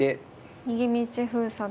逃げ道封鎖で。